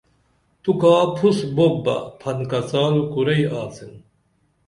تو کا پُھس بُوپ بہ پھن کڅال کُرئی آڅن